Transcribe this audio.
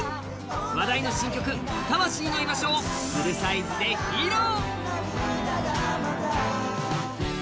話題の新曲「たましいの居場所」をフルサイズで披露！